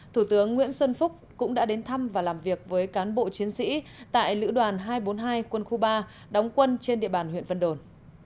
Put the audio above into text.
thủ tướng nguyễn xuân phúc cũng đã đến thăm và làm việc với cán bộ chiến sĩ tại lữ đoàn hai trăm bốn mươi hai quân khu ba đóng quân trên địa bàn huyện vân đồn